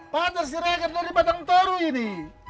pak tersirekar dari batang toru ini